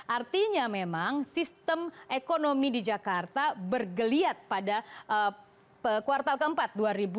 artinya memang sistem ekonomi di jakarta bergeliat pada kuartal keempat